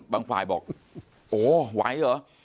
บางฝ่ายบอกโอ้ไหวเหรอ